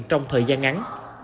trong thời gian ngắn